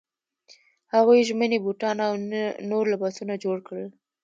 هغوی ژمني بوټان او نور لباسونه جوړ کړل.